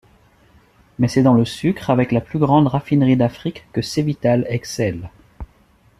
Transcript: Mais c'est dans le sucre avec la plus grande raffinerie d'Afrique que Cevital excelle.